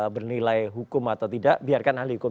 bernilai hukum atau tidak biarkan ahli hukum